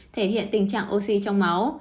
thể hiện tình trạng oxy trong máu